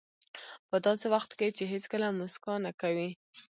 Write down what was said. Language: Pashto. په داسې وخت کې چې هېڅکله موسکا نه کوئ.